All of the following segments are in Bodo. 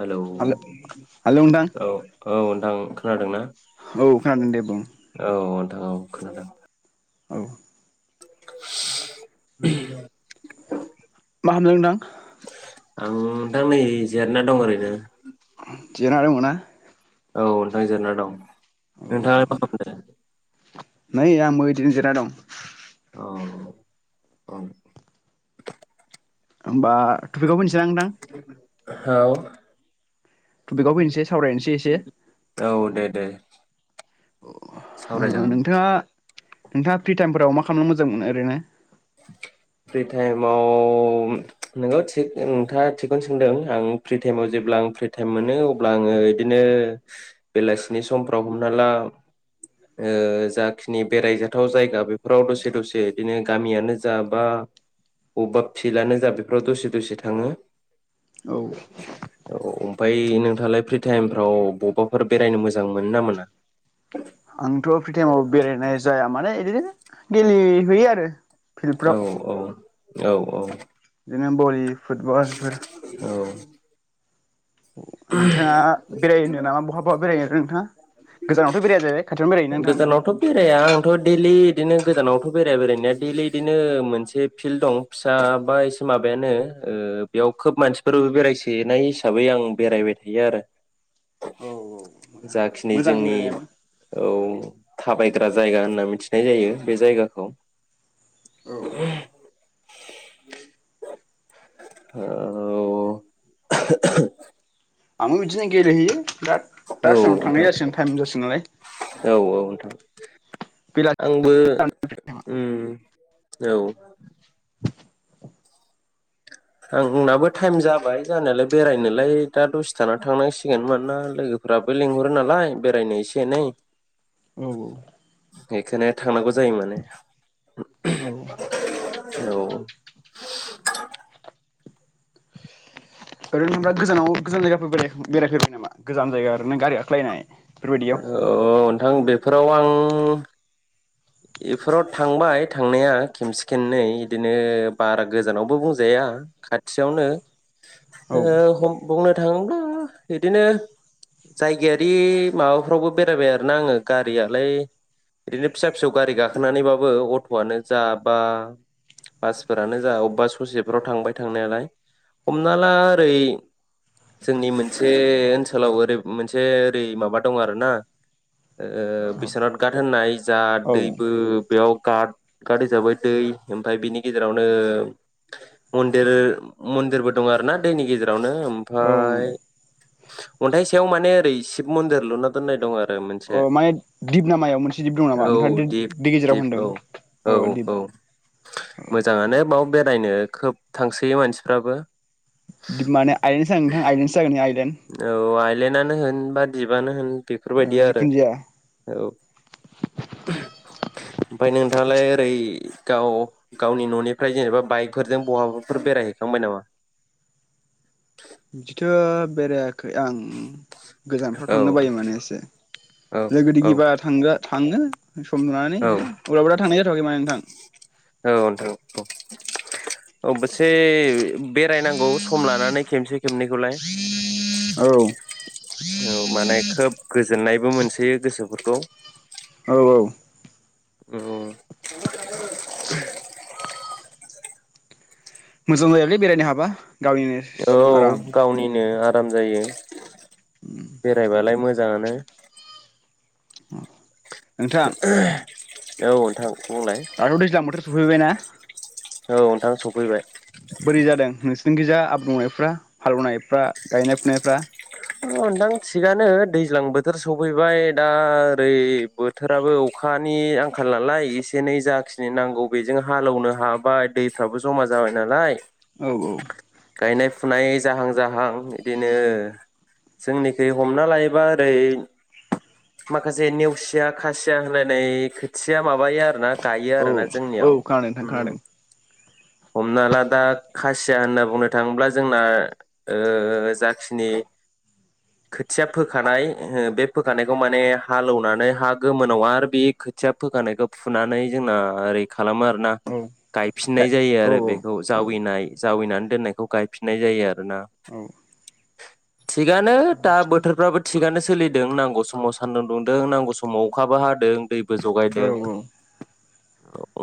हेलौ हेल' हेल' नोंथां औ औ ओं खोनादों ना? औ खोनादों दे बुं। [unintelligible] खोनादों नोंथां। औ। [inaudible] [unintelligible] आं नोंथां नै जेरायना दं ओरैनो। जिराना दङना? औ नोंथां जिरायना दं। नोंथाङा मा खामदो? नै आंबो इदिनो जिरायना दं। अह ओं। ओमबा टपिकाव फैनोस जांदां। औ। टपिकआव फैनोसै सावरायनोसै एसे औ दे दे। अ ओ ओ सावरायजागोन नोंथाङा - नोंथाङा फ्रि टाइमफोराव मा खामनो मोजां मोनो ओरैनो? फ्रि टाइमाव नोंगौ थिग नोंथाङा थिगखौनो सोंदों आं फ्रि टाइमाव जेब्ला आं फ्रि टाइम मोनो अब्ला आङो इदिनो बेलासिनि समफ्राव हमना ला ओ जाखिनि बेरायजाथाव जायगा बेफोराव दसे दसे इदिनो गामियानो जा बा बबेबा फिलानो जा बेफोराव दसे दसे थाङो। औ। औ ओमफ्राय नोंथाङालाय फ्रि टाइमफ्राव बबेबाफोर बेरायनो मोजां मोनो ना मोना? आंथ फ्रि टाइमाव बेरायनाय जाया माने इदिनो- गेले हैयो आरो फिल्डफ्राव औ औ। औ औ। [unintelligible] फुटबलफोर औ नोंथाङा बेरायो होनदों नामा बहा बहा बेरायो नोंथाङा गोजानावथ' बेराया जाहैबाय खाथियावनो बेराययो ना नोंथां? बिदिनो गोदानावथ' बेराया बेरायनाया देलि बिदिनो मोनसे फिल्ड दं फिसा बा एसे माबायानो ओ बेयाव खोब मानसिफोर बेरायसोनाय हिसाबै आं बेरायबाय थायो आरो। औ औ जाखिनि मोजां जोंनि बेरायनायाबो औ थाबायग्रा जायगा होनना मिथिनाय जायो बे जायगाखौ। औ औ आंबो बिदिनो गेलेहैयो। दा औ दासिमाव नोंथां थांनाय जासिगोन टाइम जासिगोन नालाय। औ बेला [inaudible] आंबो उम औ। आंनाबो टाइम जाबाय जानायालाय बेरायनोलाय दा दसे थाना थांनांसिगोन मानोना लोगोफोराबो लिंहरो नालाय बेरायनो एसे एनै। औ बेखायनो थांनांगौ जायो माने औ औ। [inaudible] ओरैनो नों दा गोजानाव गोजान जायगाफोर बेरायखां बेरायफेरबाय नामा गोजान जायगा ओरोना गारि गाखोलायनाय। बेफोरबायदियाव अ नोंथां बे फोराव आं बेफोराव थांबाय थांनाया खेमसे खेननै बिदिनो बारा गोजानावबो बुंजाया खाथियावनो। औ ओ बुंनो थाङोब्ला बिदिनो जायगायारि माबाफ्रावबो बेरायबाय आरोना आङो गारियालाय बिदिनो फिसा फिसौ गारि गाखोनानैबाबो अट'आनो जा बा बासफोरानो जा अबेबा ससेफोराव थांबाय थांनायालाय हमना ला ओरै जोंनि मोनसे ओनसोलाव ओरै मोनसे ओरै माबा दं आरोना ओ औ बिसवानाथ गाथ होननाय जा औ दैबो बेयाव गाट गाट हिसाबै दै ओमफाय बिनि गेजेरावनो मन्दिर मन्दिरबो दं आरो ना दैनि गेजेरावनो औ ओमफाय अन्थाइ सायाव माने ओरै शिब मन्दिर लुना दोननाय दं आरो मोन अ माने दिप ना मायाव मोनसे दिप दङ औ दिप दिप औ अ औ दिप औ मोजाङानो बाव बे बेरायनो खोब थांसोयो मानसिफ्राबो। माने आइलेण्ड सो जागोन नोंथां आइलेण्ड सो जागोन इयो आइलेण्ड औ आइलेण्डआनो होन बा दिबानो होन बेफोरबायदि आरो जिखुनु जाया औ। ओमफ्राय नोंथाङालाय ओरै गाव गावनि न'निफ्राय जेनेबा बाइकफोरजों बहाबाफोर बेरायहैखांबाय नामा? बिदिथ' बेरायाखै आं। गोजानफ्राव औ थांनो बायो माने एसे औ लोगो औ दिगि बा थांग्रा थाङो सम लानानै औ इदिनो अब्लाबो दा थांनाय जाथ'वाखै माने नोंथां। औ नोंथां औ से बेरायनांगौ सम लानानै खेबसे खेबनैखौलाय औ औ माने खोब गोजोननायबो मोनसोयो गोसोफोरखौ। औ औ उ मोजां जायालै बेरायनो हाबा। गावनिनो औ आराम गावनिनो आ राम जायो। बेरायबालाय मो जांनो उम [unintelligible] औ नोंथां। बुंलाय आरो दैज्लां बोथोर स फैबायना औ नोंथां सफैबाय। जोंखिजा आब्रुंनायफ्रा हालेवनायफ्रा गायनाय फुनायफ्रा औ नोंथां थिगानो दैज्लां बोथोर सफैबाय दा ओरै बोथोराबो अखा अखानि आंखाल नालाय एसे एनै जाखिनि नांगौ बेजों हालेवनो हाबाय दैफ्राबो जमा जाबाय नालाय औ औ गायनाय फुनाय जाहां जाहां बिदिनो ओह जोंनिखै हमना लायोबा ओरै माखासे नेवसिया खासिया होनलायनाय खोथिया माबायो आरो ना गायो औ आरोना औ जोंनियाव खोनादों नोंथां उम खोनादों हमना ला दा खासिया होनना बुंनो थाङोब्ला जोंना ओ जाखिनि खोथिया फोखानाय ओ बे फोखानायखौ माने हालेवनानै हा गोमोनाव आरो बे खोथिया फोखानायखौ फुनानै जोंना ओरै खा खालामो आरोना औ औ गायफिननाय जायो औ आरो बेखौ औ जावैनाय जावैनानै दोननायखौ गायफिननाय जायो आरो ना औ थिगानो दा बोथोरफ्राबो थिगानो सोलिदों नांगौ समाव सान्दुं दुंदों नांगौ समाव अखाबो हादों दैबो बो जगायदों औ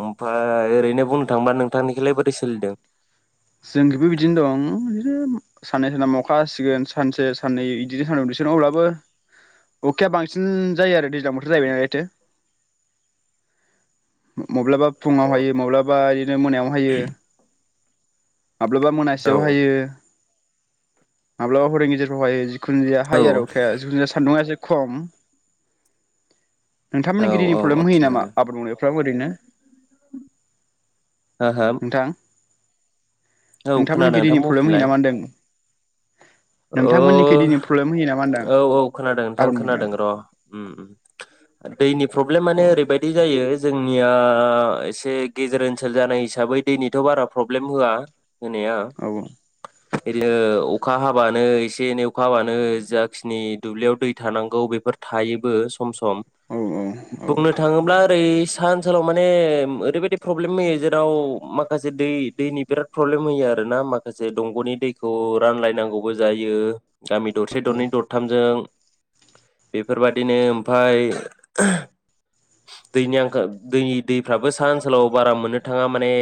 ओमफ्राय ओरैनो बुंनो थांबा नोंथांनिखौलाय बोरै सोलिदों। जोंखिबो बिदिनो दं। बिदिनो साननै सानथाम अखा हासिगोन सानसे साननै बिदिनो साननै दुंसिगोन अब्लाबो अखाया बांसिन जायो आरो दैज्लां बोथोर जाहैबाय नालायथो माब्लाबा फुङाव हायो माब्लाबा बिदिनो मोनायाव हायो। माब्लाबा औ मोनासेयाव हायो माब्लाबा हर गेजेराव हायो जिखुनुजाया हायो आरो औ अखाया जिखुनु सानदुङासो खम नोंथांमोननि दैनि औ औ प्रब्लेम होयो नामा थिगानो आबाद मावनायफ्राबो ओरैनो हो होम नोंथांमोनखि दैनि प्रब्लेम होयो नामा होनदों नोंथांमोननिखै ओह दैनि प्रब्लेम होयो नामा होनदां औ औ खोनादों नोंथां आबाद खोनादों मावनायाव र उम ओ दैनि प्रब्लेम माने औ ओरैबायदि जायो जोंनिया एसे गेजेर ओनसोल जानाय हिसाबै दैनिथ बारा प्रब्लेम होआ होनाया औ बिदिनो अखा हाब हाबानो एसे एनै अखा हाबानो जाखिनि दुब्लियाव दै थानांगौ बेफोर थायोबो सम-सम औ बुंनो थाङोब्ला रै सा ओनसोलाव माने ओरैबायदि प्रब्लेम होयो जेराव माखासे दै दैनि बिराद प्रब्लेम होयो आरोना माखासे दंगनि दैखौ रानलायनांगौ जायो गामि दरसे दरनै दरथामजों बेफोरबादिनो ओमफाय दैनि आंखाल दै दैफ्राबो साहा ओनसोलाव बारा मोननो थाङा माने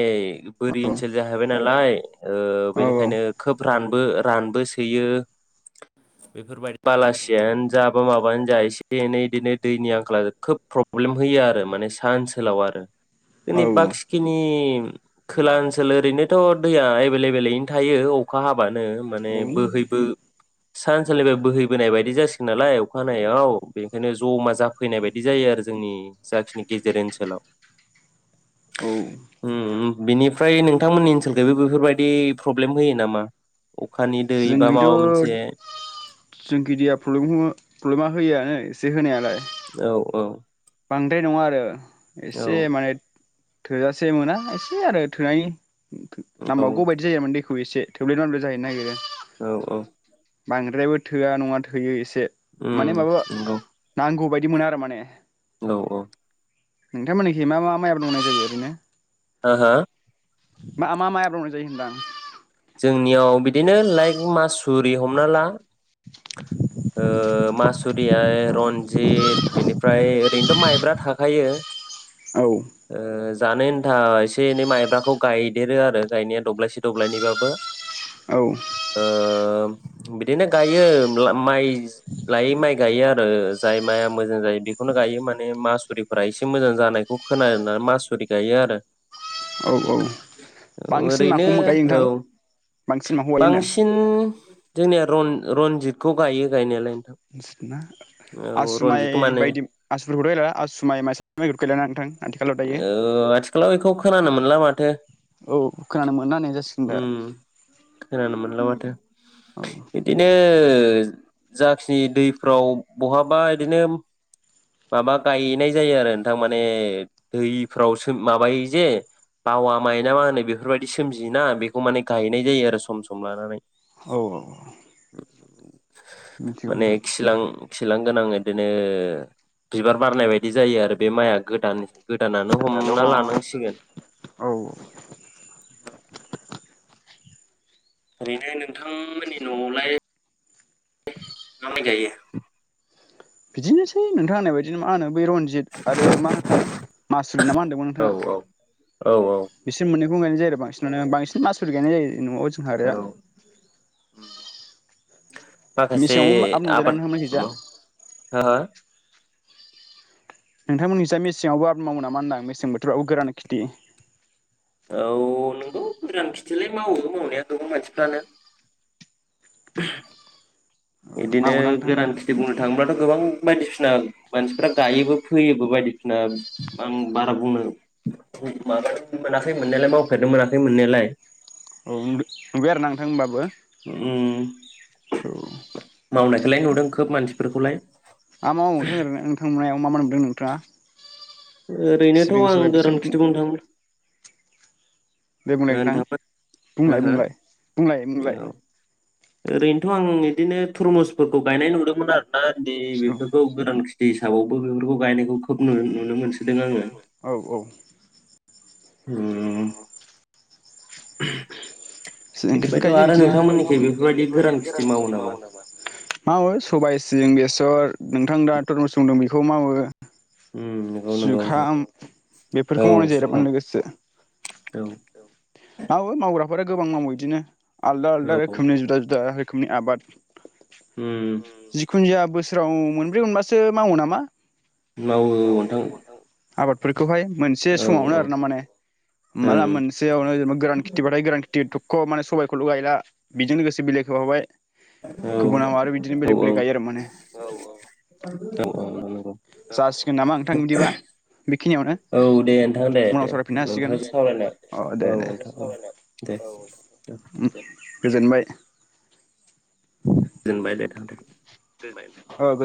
बोरि ओनसोल जाहैबाय नालाय ओ बेनिखायनो खोब रान बो रानबोसि यो बेफोरबायदि बालासियानो जाब बा माबानो जा एसे एनै इदिनो दैनि आंखाला खोब प्रब्लेम होयो आरो माने सा ओनसोलाव आरो दिनै औ बाखि खिनि खोला ओनसोल ओरैनोथ दैया एबेलेबेलैनो थायो अखा हाब बानो माने औ औ बोहैबो सा ओनसोलनिफाय बोहैबोनाय बायदि जासिगोन नालाय अखा हानायाव बेनिखायनो जमा जा जाफैनाय बायदि जायो आरो जोंनि जाखिनि गेजेर ओनसोलाव औ। उम बिनिफ्राय नोंथांमोननि ओनसोलखैबो बेफोरबायदि फ्रब्लेम होयो नामा अखा जोंखैथ' जोंखै दैया फ्रब्लेम हो फ्रब्लेमा होयोयानो। एसे होनायालाय। औ औ। बांद्राय नङा आरो। औ एसे माने थोजासे मोना एसे आरो थोनायनि। नांमबावगौ बायदि जायो मोन दै खौ एसे थोब्लेद माब्लेथ जाहैनो नागिरो। औ औ। बांद्रायबो थोआ नङा थोयो एसे। माने उम माबा नांगौ बाय बिदि मोना आरो माने। नौ औ। नोंथांमोननिखै मा मा माइ आबाद मावनाय जायो ओरैनो? ओ हो? मा मा माइ आबाद मावनाय जायो होनदां? [inaudible] बिदिनो लाइक मास उरि हमना ला। ओ मास या रनजिद बिनिफ्राय ओरैनोथ' माइब्रा थाखायो औ ओ। जानो होन्था एसे एनै माइब्राखौ गायदेरो आरो गायनाया दब्लायसे दब्लायनैबा बो। औ ओ बिदिनो गायो ब्ला माइ लायै माइ गायो आरो जाय माइआ मोजां जायो बेखौनो गायो माने मासुरिफोरा एसे मोजां जानायखौ खोनानै मासुरि गायो आरो। औ औ बांसिन ओरैनो नाखौ मा गायो औ नोंथां? बांसिन माखौ गायो होनदों बांसिन जों बे रन-रनजिदखौ गायो गायनायालाय। नोंथां [unintelligible] औ आसुमाइ रनजितखौ माने बायदि आसुफोरखौथ गैला आसुमाइ माइसा माइ गैला ना नोंथां आथिखालाव दायो। ला माथो। औ खोनानो मोनना होननाय जासिगोन दा। उम खोनानो मोनला बाथो। औ बिदिनो ओ जाखिनि दैफ्राव बहाबा इदिनो माबा गायनाय जायो आरो नोंथां माने दैफ्राव सोम माबायो जे बावा माइना मा होनो बेफोरबायदि सोमजियोना बेखौ माने गायनाय जायो आरो सम सम लानानै। औऔ माने खिलां लांगोन ओदिनो बिबार बारनाय बायदि जायो आरो बे माइआ गोदान गोदानानो हमना लानांसिगोन। औ औ ओरैनो नोंथांमोननि नङावलाय मा माइ गायो? बिदिनोसै नोंथां होननाय बायदि मा होनो रनजिद आरो मा होनो मासुरि ना मा होनदोंमोन औ नोंथाङा औ औ औ बिसोर मोन [unintelligible] बांसिनानो बांसिन मासुरि गायनाय जायो। न'आव जोंहा आरो औ माखासे मेसेङावबो मावजायो आबाद ना नोंथांमोननिखैजा [unintelligible] नोंथांमोननिजा मेसेङावबो आबाद मावो नामा होनदां मेसें बोथोराव गोरान खेथि? औ नोंगौ गोरान खिथिलाय मावो मावनाया गोबां मानसिफ्रानो। बिदिनो मावोना नोंथां गोरान खिथि बुंनो थाङोब्लाथ' गोबां बायदिसिना मानसिफ्रा गायोबो फैयोबो बायदिसिना आं बारा बुंनो माबानो मोनाखै मोननायलाय मावफेरनो मोनाखै मोननायलाय औ नुबाय आरो नोंथां होनबाबो उम औ। मावनायखौलाय नुदों खोब मानसि फोरखौलाय [unintelligible] मा नुदों नोंथाङा? ओरैनोथ' सिबिं आं सबाय बेसोर गोरान खिथि बुंनो थाङो दे बुंलाय नोंथां थांबा हो बुंलाय हो बुंलाय बुंलाय बुंलाय। औ ओरैनोथ' आं बिदिनो थरमुसफोरखौ गायनाय नुदोंमोन आरो। दा दे बेफोरखौ गोदान हिसाबावबो बेफोरखौ गायनायखौ खोब नुनो मोनो। औ औ। उम। [inaudible] जोंनिथिंबो बिनिफ्रायथ' गायो आरो बिदिनो। नोंथांमोननिखै बेफोरबायदि गोरान खिथि मावो नामा? मावो सबाइ सिबिं बेसर। नोंथां दा टरमुस बुंदों बेखौ मावो। उम नंगौ नंगौ नोंथां जुखाम बेफोरखौ औ मावनाय जायो जुखाम औ [unintelligible] मावो मावग्राफोरा गोबां मावो इदिनो आलदा आलदा औ रोखोमनि जुदा जुदा रोखोमनि आबाद उम जिखु खुनु जाया बोसोराव मोनब्रै मोनबासो मावो नामा? मावो औ नोंथां आबादफोरखौहाय मोनसे औ समावनो औ ओं आरो ना माने औ माला मोनसेयावनो गोरान खिथि बाथाय गोरान खिथि थखख माने सबाइखौल' गायला बेजों लोगोसे बिलाइ खाफाबाय औ‌ औ आरो माने औ औ औ नंगौ औ जासिगोन नामा नोंथां बिदिबा बेखिनियावनो दे नोंथां दे उनाव दे सावरायफिननो हासिगोन नोंथांजों सावरायना अ औ दे नोंथां दे दे औ गोजोनबाय। गोजोनबाय दे। [unintelligible]